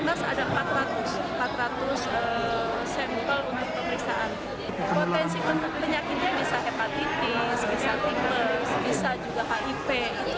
potensi penyakitnya bisa hepatitis bisa tipe bisa juga hiv itu yang kita tak dekat